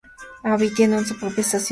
Alby tiene su propia estación de metro.